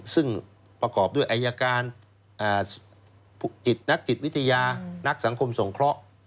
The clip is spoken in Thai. ซึ่งประกอบด้วยอายการจิตนักจิตวิทยานักสังคมสงเคราะห์